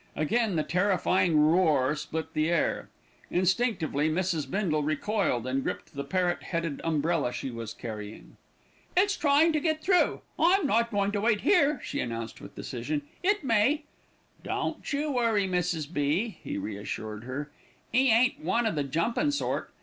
Again the terrifying roar split the air. Instinctively Mrs. Bindle recoiled, and gripped the parrot headed umbrella she was carrying. "It's trying to get through. I'm not going to wait here," she announced with decision. "It may " "Don't you worry, Mrs. B.," he reassured her. "'E ain't one o' the jumpin' sort.